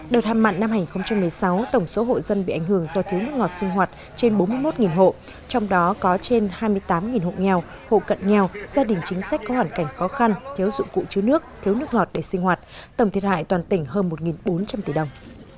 đợt hạm mặn năm hai nghìn một mươi sáu tổng số hộ dân bị ảnh hưởng do thiếu nước ngọt sinh hoạt trên bốn mươi một hộ trong đó có trên hai mươi tám hộ nghèo hộ cận nghèo gia đình chính sách có hoàn cảnh khó khăn thiếu dụng cụ chứa nước thiếu nước ngọt để sinh hoạt tổng thiệt hại toàn tỉnh hơn một bốn trăm linh tỷ đồng